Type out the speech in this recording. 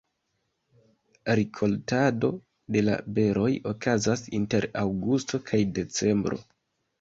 Rikoltado de la beroj okazas inter aŭgusto kaj decembro.